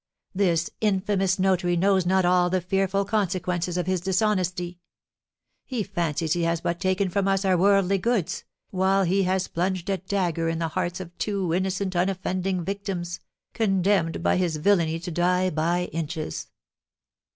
This infamous notary knows not all the fearful consequences of his dishonesty. He fancies he has but taken from us our worldly goods, while he has plunged a dagger in the hearts of two innocent, unoffending victims, condemned by his villainy to die by inches.